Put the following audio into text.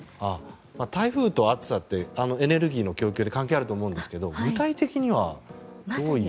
台風と暑さってエネルギーの供給で関係あると思うんですが具体的にはどういう？